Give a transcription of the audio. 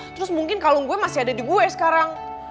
terus mungkin kalung gue masih ada di gue sekarang